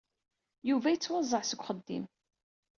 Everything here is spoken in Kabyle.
Yuba yettwaẓẓeɛ seg uxeddim.